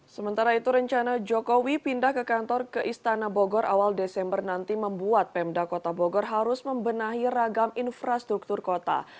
sementara itu rencana jokowi pindah ke kantor ke istana bogor awal desember nanti membuat pemda kota bogor harus membenahi ragam infrastruktur kota